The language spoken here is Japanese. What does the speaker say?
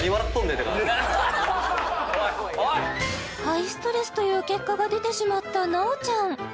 ハイストレスという結果が出てしまった奈央ちゃん